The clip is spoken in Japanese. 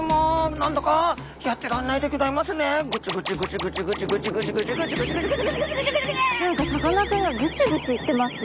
何かさかなクンがグチグチ言ってますね。